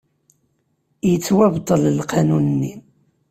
Yettwabṭel lqanun-nni.